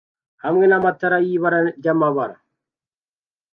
hamwe namatara yibara ryamabara